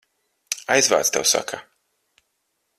Aizvāc, tev saka!